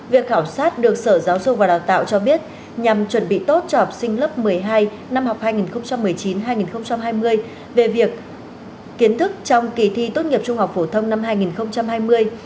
việc khảo sát được sở giáo dục và đào tạo cho biết nhằm chuẩn bị tốt cho học sinh lớp một mươi hai năm học hai nghìn một mươi chín hai nghìn hai mươi về việc kiến thức trong kỳ thi tốt nghiệp trung học phổ thông năm hai nghìn hai mươi